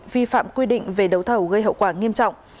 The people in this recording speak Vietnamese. vi phạm quy định về đấu thầu gây hậu quả nghiêm trọng